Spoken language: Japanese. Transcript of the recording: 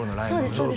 そうです